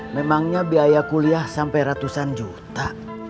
memangnya biaya kuliah sampai ratusan juta